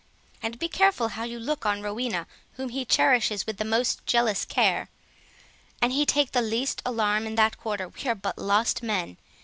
And be careful how you look on Rowena, whom he cherishes with the most jealous care; an he take the least alarm in that quarter we are but lost men.